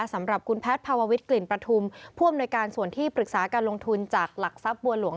สำหรับคุณแพทย์ภาววิทย์กลิ่นประทุมผู้อำนวยการส่วนที่ปรึกษาการลงทุนจากหลักทรัพย์บัวหลวง